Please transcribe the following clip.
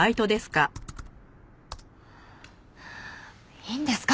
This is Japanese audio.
いいんですか？